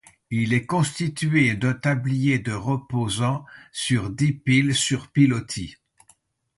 Il est constitué d'un tablier de reposant sur dix piles sur pilotis.